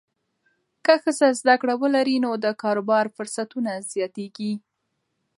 که ښځه زده کړه ولري، نو د کاروبار فرصتونه زیاتېږي.